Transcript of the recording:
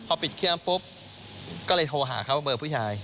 พอปิดเครื่องปุ๊บก็เลยโทรหาเขาเบอร์ผู้ชาย